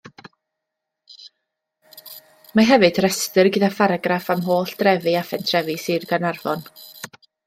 Mae hefyd restr gyda pharagraff am holl drefi a phentrefi Sir Gaernarfon.